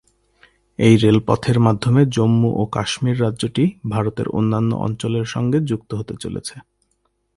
এই রেলপথের মাধ্যমে জম্মু ও কাশ্মীর রাজ্যটি ভারতের অন্যান্য অঞ্চলের সঙ্গে যুক্ত হতে চলেছে।